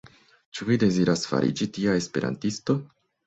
Ĉu vi deziras fariĝi tia Esperantisto?